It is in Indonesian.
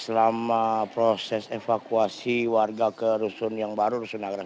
selama proses evakuasi warga ke rusun yang baru rusunagrak